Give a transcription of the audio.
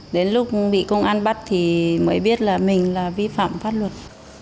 đến lúc bị công an bắt thì mới biết là mình là vi phạm pháp luật